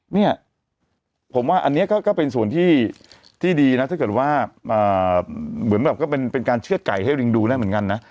เนี่ยผมว่าอันนี้ก็เป็นส่วนที่ดีนะถ้าเกิดว่าเหมือนแบบก็เป็นการเชื่อดไก่ให้ลิงดูได้เหมือนกันนะ